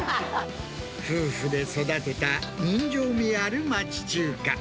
夫婦で育てた人情味ある町中華。